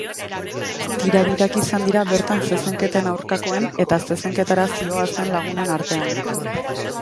Tirabirak izan dira bertan zezenketen aurkakoen eta zezenketara zihoazen lagunen artean.